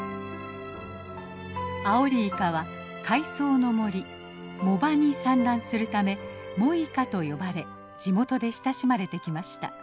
アオリイカは海藻の森藻場に産卵するため「モイカ」と呼ばれ地元で親しまれてきました。